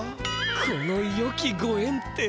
「このよきごえん」って。